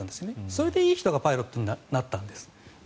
それで、いい人がパイロットになったんです。